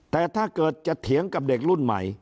แต่ถ้าเกิดจะเถียงกับเด็กรุ่นใหม่